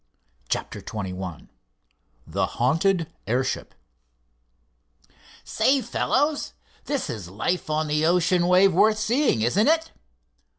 CHAPTER XXI THE HAUNTED AIRSHIP "Say, fellows, this is life on the ocean wave worth seeing, isn't it?"